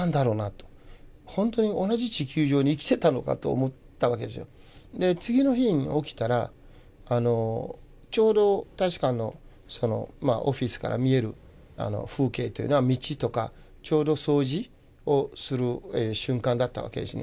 もう空港はすごいしで次の日に起きたらちょうど大使館のオフィスから見える風景というのは道とかちょうど掃除をする瞬間だったわけですね。